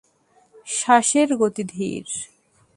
শ্বাসের গতি ধীর।